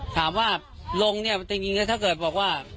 ถามว่าลงเนี่ยจริงแล้วถ้าเกิดบอกว่า